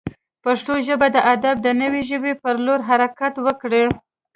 پښتو ژبه د ادب د نوې ژبې پر لور حرکت وکړي.